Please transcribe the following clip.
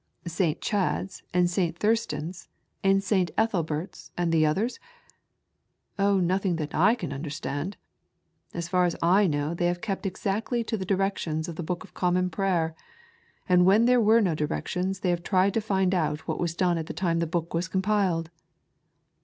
" St. Chad's and St. Thurstan's and St. Etholhert'e and the others ? Oh nothing that I can understand. Ab far as I know they have kept exactly to the dirsc I tions of the Book of Common Prayer, and when there ^^^ were no directions they have tried to find out what ^^H iras done at the time the Book was compiled."